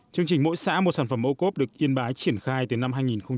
chương trình mỗi xã một sản phẩm ô cốp được yên bái triển khai từ năm hai nghìn một mươi